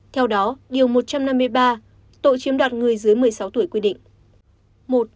theo đó điều một trăm năm mươi ba tội chiếm đoạt người dưới một mươi sáu tuổi quy định